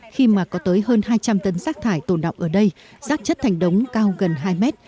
khi mà có tới hơn hai trăm linh tấn rác thải tồn đọng ở đây rác chất thành đống cao gần hai mét